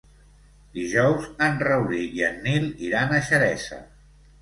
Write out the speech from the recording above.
Dijous en Rauric i en Nil iran a Xeresa.